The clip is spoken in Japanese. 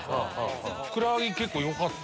ふくらはぎよかった。